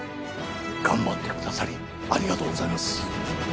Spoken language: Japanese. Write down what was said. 頑張ってくださり、ありがとうございます。